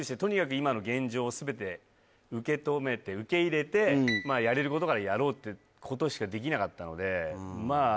今の現状を全て受け止めて受け入れてまあやれることからやろうってことしかできなかったのでまあ